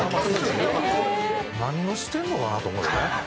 何をしてんのかな？と思うよね。